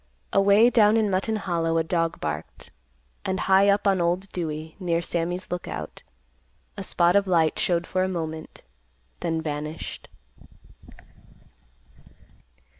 Away down in Mutton Hollow a dog barked, and high up on Old Dewey near Sammy's Lookout, a spot of light showed for a moment, then vanished.